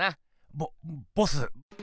ボボス。